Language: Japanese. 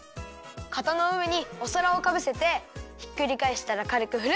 かたのうえにおさらをかぶせてひっくりかえしたらかるくふる！